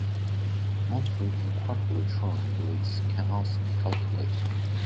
Monthly and quarterly churn rates can also be calculated.